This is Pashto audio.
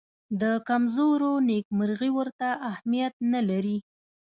د کمزورو نېکمرغي ورته اهمیت نه لري.